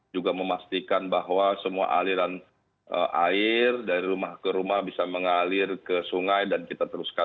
juga memastikan bahwa semua aliran air dari rumah ke rumah bisa mengalir ke sungai dan kita teruskan